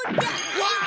うわっ！